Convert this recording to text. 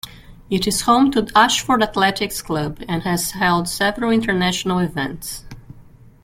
It is home to Ashford Athletics Club, and has held several international events.